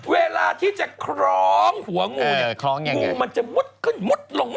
เวลาที่จะครองหัวงูเงินมันจะหมุดขึ้นหมุดลง